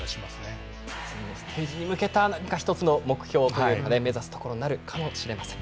次のステージに向けた何か一つの目標というか目指すところあるかもしれません。